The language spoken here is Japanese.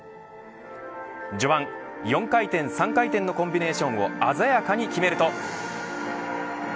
序盤、４回転３回転のコンビネーションを鮮やかに決めると。